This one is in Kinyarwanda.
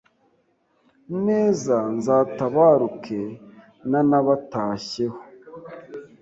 Neza nzatabaruke ntanabatashyeho